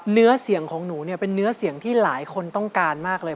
เนื้อเสียงของหนูเนี่ยเป็นเนื้อเสียงที่หลายคนต้องการมากเลย